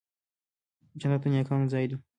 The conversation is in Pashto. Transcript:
جنت د نیکانو ځای دی